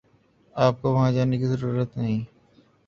آپ کو وہاں جانے کی ضرورت نہیں